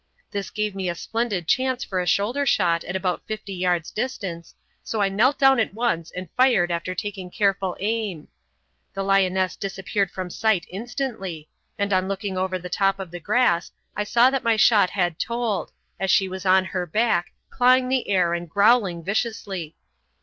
This gave me a splendid chance for a shoulder shot at about fifty yards' distance, so I knelt down at once and fired after taking careful aim. The lioness disappeared from sight instantly, and on looking over the top of the grass I saw that my shot had told, as she was on her back, clawing the air and growling viciously.